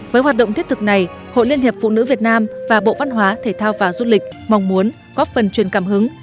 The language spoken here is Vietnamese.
với hoạt động thiết thực này hội liên hiệp phụ nữ việt nam và bộ văn hóa thể thao và du lịch mong muốn góp phần truyền cảm hứng